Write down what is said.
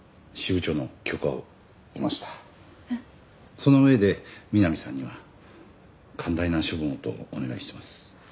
その上でみなみさんには寛大な処分をとお願いしてます。